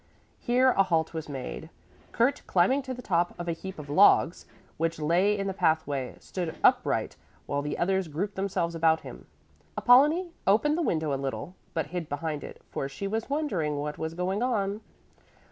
Here a halt was made. Kurt, climbing to the top of a heap of logs, which lay in the pathway, stood upright, while the others grouped themselves about him. Apollonie opened the window a little, but hid behind it, for she was wondering what was going on.